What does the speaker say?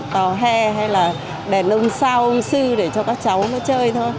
tòa hè hay là đèn ông sao ông sư để cho các cháu nó chơi thôi